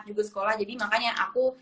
juga sekolah jadi makanya aku